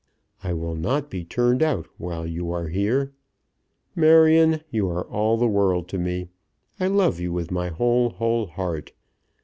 I will not be turned out while you are here. Marion, you are all the world to me. I love you with my whole, whole heart.